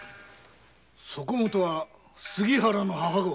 そこもとは杉原の母ご？